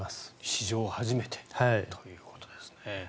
史上初めてということですね。